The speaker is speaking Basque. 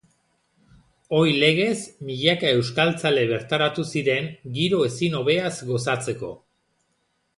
Ohi legez, milaka euskaltzale bertaratu ziren, giro ezin hobeaz gozatzeko.